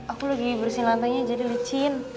aku lagi bersihin lantainya jadi lecin